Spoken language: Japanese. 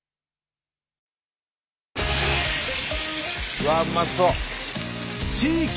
うわっうまそう！